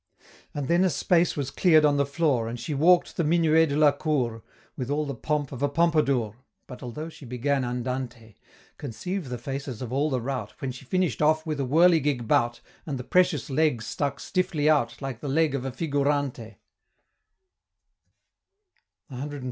And then a space was clear'd on the floor, And she walk'd the Minuet de la Cour, With all the pomp of a Pompadour, But although she began andante, Conceive the faces of all the Rout, When she finished off with a whirligig bout, And the Precious Leg stuck stiffly out Like the leg of a Figuranté. CLXVI.